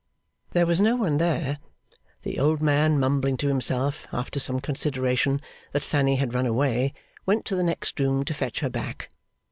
There was no one there. The old man mumbling to himself, after some consideration, that Fanny had run away, went to the next room to fetch her back.